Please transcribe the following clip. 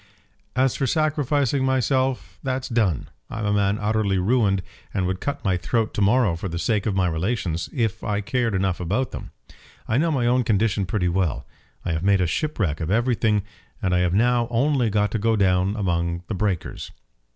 "As for sacrificing myself, that's done. I'm a man utterly ruined and would cut my throat to morrow for the sake of my relations, if I cared enough about them. I know my own condition pretty well. I have made a shipwreck of everything, and have now only got to go down among the breakers."